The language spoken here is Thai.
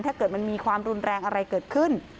ถ้าเกิดมันมีความรุนแรงอะไรเกิดขึ้น